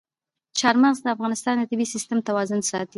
چار مغز د افغانستان د طبعي سیسټم توازن ساتي.